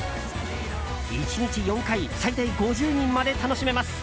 １日４回、最大５０人まで楽しめます。